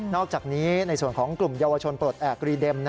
อกจากนี้ในส่วนของกลุ่มเยาวชนปลดแอบรีเด็ม